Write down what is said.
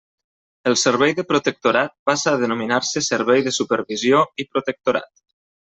El Servei de Protectorat passa a denominar-se Servei de Supervisió i Protectorat.